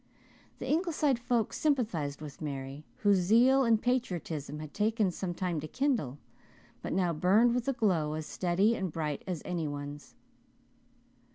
The Ingleside folk sympathized with Mary, whose zeal and patriotism had taken some time to kindle but now burned with a glow as steady and bright as any one's.